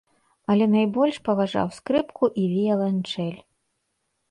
Але найбольш паважаў скрыпку і віяланчэль.